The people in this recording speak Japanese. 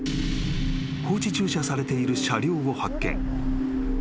［放置駐車されている車両を発見］